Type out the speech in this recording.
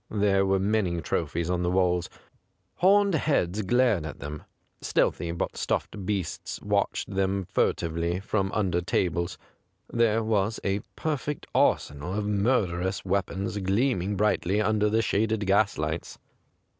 There were many trophies on the walls. Horned heads glared at them ; stealthy but stuffed beasts watched them fur tively from under tables. Thei'C was a perfect arsenal of murderous weapons gleaming brightly under the shaded gaslights.